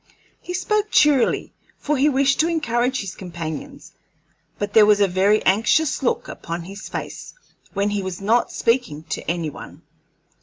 He spoke cheerily, for he wished to encourage his companions, but there was a very anxious look upon his face when he was not speaking to any one.